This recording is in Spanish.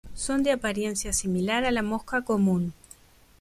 Son de apariencia similar a la mosca común.